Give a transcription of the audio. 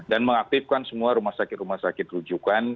dan mengaktifkan semua rumah sakit rumah sakit rujukan